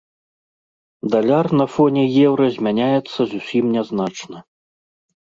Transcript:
Даляр на фоне еўра змяняецца зусім нязначна.